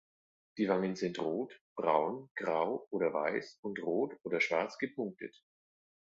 Die Wangen sind rot, braun, grau oder weiß und rot oder schwarz gepunktet.